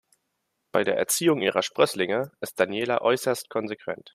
Bei der Erziehung ihrer Sprösslinge ist Daniela äußerst konsequent.